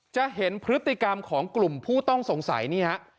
จะเห็นพฤติกรรมของกลุ่มผู้ต้องสงสัยนี่ฮะ